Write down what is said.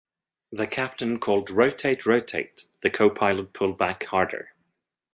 The Captain called "Rotate, rotate" the co-pilot pulled back harder.